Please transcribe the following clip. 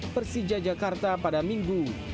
persija jakarta pada minggu